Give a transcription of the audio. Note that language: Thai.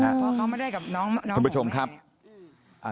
เพราะเขามาได้กับน้องของแม่